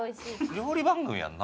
料理番組やんな？